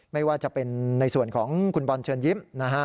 ไม่ว่าจะเป็นในส่วนของคุณบอลเชิญยิ้มนะฮะ